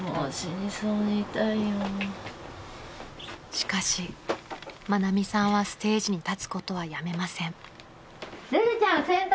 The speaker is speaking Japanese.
［しかし愛美さんはステージに立つことはやめません］